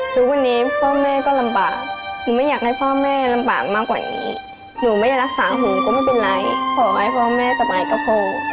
ทุกวันนี้พ่อแม่ก็ลำบากหนูไม่อยากให้พ่อแม่ลำบากมากกว่านี้หนูไม่ได้รักษาหนูก็ไม่เป็นไรขอให้พ่อแม่สบายกับพ่อ